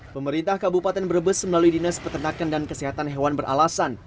pemerintah kabupaten brebes melalui dinas peternakan dan kesehatan hewan beralasan